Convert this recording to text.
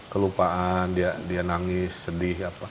kelupaan dia nangis sedih